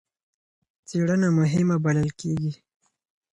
څېړنه مهمه بلل کېږي.